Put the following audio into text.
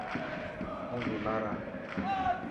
هون بيمار هان.